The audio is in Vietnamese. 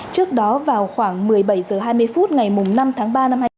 trước đó vào khoảng một mươi bảy h hai mươi phút ngày năm tháng năm